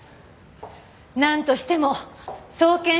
なんとしても送検してください！